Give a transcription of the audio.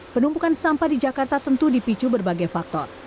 penumpukan sampah di jakarta tentu dipicu berbagai faktor